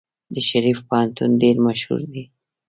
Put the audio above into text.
د شریف پوهنتون ډیر مشهور دی.